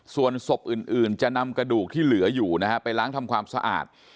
ส่วนศพอื่นจะนำกระดูกที่เหลืออยู่นะฮะไปล้างทำความสะอาด